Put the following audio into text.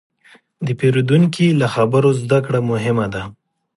د پیرودونکي له خبرو زدهکړه مهمه ده.